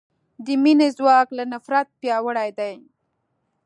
د مینې ځواک له نفرت پیاوړی دی.